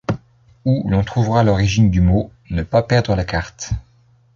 Où l’on trouvera l’origine du mot : ne pas perdre la carte